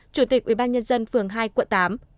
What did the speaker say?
chủ tịch ubnd phường hai quận tám